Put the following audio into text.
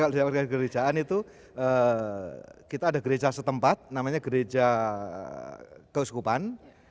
ketua rakyat gerejaan itu kita ada gereja setempat namanya gereja kesukupan